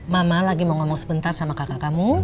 mama lagi mau ngomong sebentar sama kakak kamu